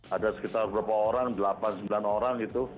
ada sekitar berapa orang delapan sembilan orang itu